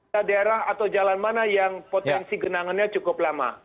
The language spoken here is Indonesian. daerah atau jalan mana yang potensi genangannya cukup lama